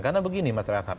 karena begini masyarakat